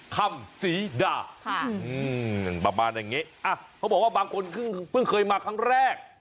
คำศรีดาประมาณอย่างนี้อ่ะเขาบอกว่าบางคนเพิ่งเคยมาครั้งแรก